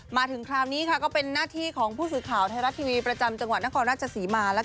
มาถึงคราวนี้ค่ะก็เป็นหน้าที่ของผู้สื่อข่าวไทยรัฐทีวีประจำจังหวัดนครราชศรีมา